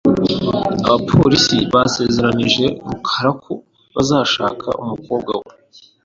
Abapolisi basezeranije rukara ko bazashaka umukobwa we .